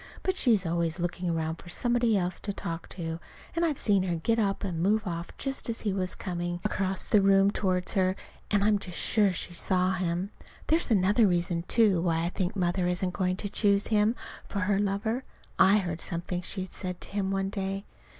But she's always looking around for somebody else to talk to; and I've seen her get up and move off just as he was coming across the room toward her, and I'm just sure she saw him. There's another reason, too, why I think Mother isn't going to choose him for her lover. I heard something she said to him one day.